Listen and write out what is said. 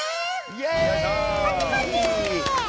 イエイ！